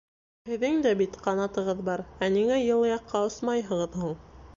— Һеҙҙең дә бит ҡанатығыҙ бар, ә ниңә йылы яҡҡа осмайһығыҙ һуң?